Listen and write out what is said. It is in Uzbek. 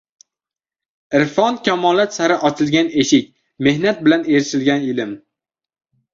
• Irfon kamolot sari ochilgan eshik, mehnat bilan erishilgan ilm.